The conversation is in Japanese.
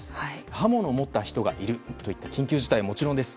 刃物を持った人がいるといった緊急事態はもちろんです。